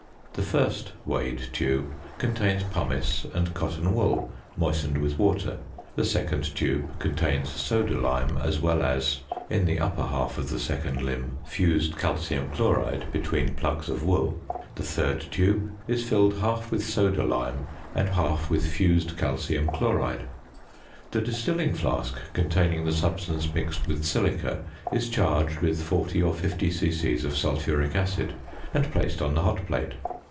The first weighed tube contains pumice and cotton wool, moistened with water; the second tube contains soda lime as well as (in the upper half of the second limb) fused calcium chloride between plugs of wool; the third tube is filled half with soda lime and half with fused calcium chloride. The distilling flask containing the substance mixed with silica is charged with 40 or 50 c.c. of sulphuric acid, and placed on the hot plate.